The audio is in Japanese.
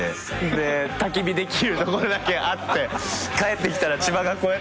でたき火できるところだけあって帰ってきたら千葉がこうやってたき火。